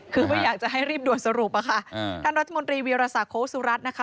คือไม่อยากจะให้รีบด่วนสรุปอ่ะค่ะอืมท่านรัฐมนตรีวิราษาโค้กสุรัสนะคะ